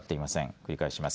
繰り返します。